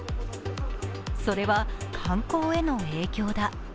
それは観光への影響だ。